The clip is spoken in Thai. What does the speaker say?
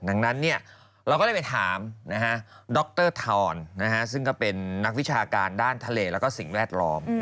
ดังนั้นเราก็ได้ไปถามดรทรซึ่งก็เป็นนักวิชาการด้านทะเลแล้วก็สิ่งแวดล้อม